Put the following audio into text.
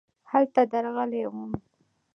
هلته درغلی وم .